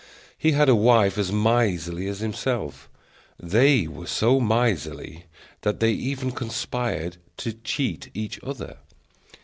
He had a wife as miserly as himself; they were so miserly that they even conspired to cheat each other.